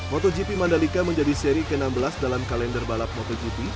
motogp mandalika menjadi seri ke enam belas dalam kalender balap motogp